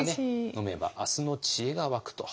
飲めば明日の知恵が湧くと。